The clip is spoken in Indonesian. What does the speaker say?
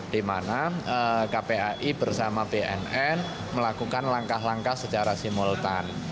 di mana kpai bersama bnn melakukan langkah langkah secara simultan